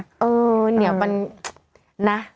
เออเนี่ยมันนะ